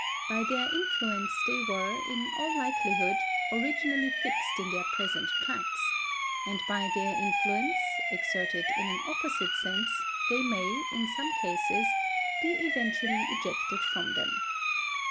By their influence they were, in all likelihood, originally fixed in their present tracks; and by their influence, exerted in an opposite sense, they may, in some cases, be eventually ejected from them.